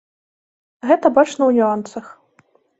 Гэта бачна ў нюансах.